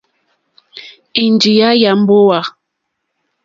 Ènjìyá yà mbówà.